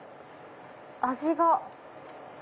味が。